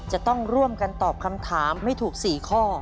จะต้องร่วมกันตอบคำถามให้ถูก๔ข้อ